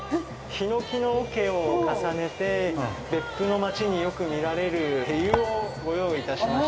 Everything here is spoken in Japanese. ヒノキの桶を重ねて別府の町によく見られる手湯をご用意いたしました。